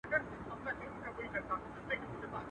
چي یې قبر د بابا ورته پېغور سو.